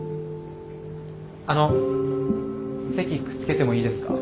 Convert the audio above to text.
あの席くっつけてもいいですか？